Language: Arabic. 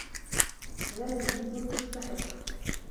وَلَا تَمْيِيزٌ لِمُسْتَحِقٍّ